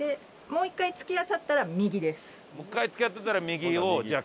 もう１回突き当たったら左です。